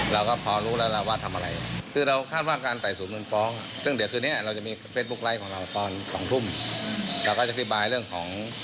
เราก็จะพิบายเรื่องของ